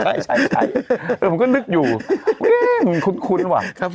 ใช่ผมก็นึกอยู่มันคุ้นว่ะ